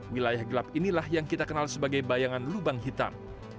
wilayah gelap inilah yang kita kenal sebagai bayangan lubang hitam